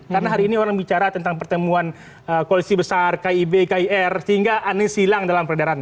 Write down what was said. karena hari ini orang bicara tentang pertemuan koalisi besar kib kir sehingga anies hilang dalam peredaran